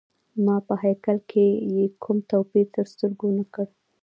ما په هیکل کي یې کوم توپیر تر سترګو نه کړ.